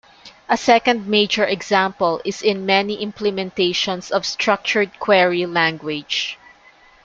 A second major example is in many implementations of Structured Query Language.